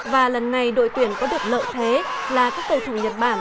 và lần này đội tuyển có được lợi thế là các cầu thủ nhật bản